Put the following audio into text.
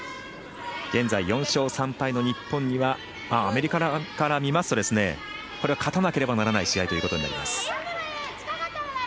現在４勝３敗の日本にはアメリカから見ますとこれは勝たなければならない試合になります。